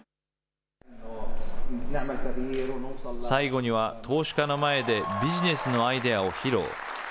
最後には投資家の前でビジネスのアイデアを披露。